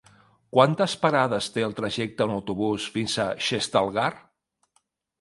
Quantes parades té el trajecte en autobús fins a Xestalgar?